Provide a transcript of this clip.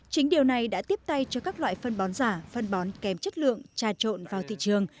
chính điều này đã tiếp tay cho các loại phân bón giả phân bón kém chất lượng trà trộn vào thị trường